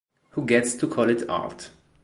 Who Gets to Call It Art?